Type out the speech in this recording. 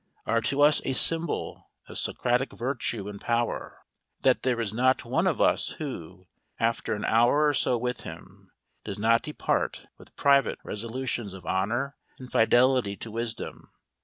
are to us a symbol of Socratic virtue and power; that there is not one of us who, after an hour or so with him, does not depart with private resolutions of honour and fidelity to wisdom.